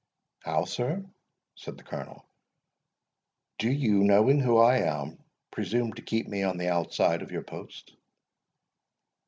"How, sir!" said the Colonel, "do you, knowing who I am, presume to keep me on the outside of your post?"